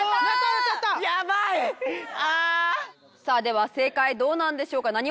さあでは正解どうなんでしょうか？